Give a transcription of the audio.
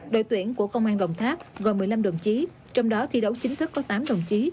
đội tuyển của công an đồng tháp gồm một mươi năm đồng chí trong đó thi đấu chính thức có tám đồng chí